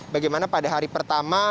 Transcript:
bagaimana pada hari pertama